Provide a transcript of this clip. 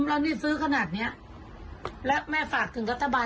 อ่ะตัดไปเลยค่ะ